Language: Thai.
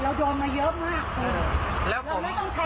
เราไม่ต้องใช้คำพูดแบบนี้